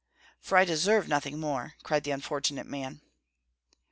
"For I deserve nothing more!" cried the unfortunate man.